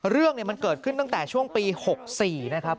เรื่องมันเกิดขึ้นตั้งแต่ช่วงปี๖๔นะครับ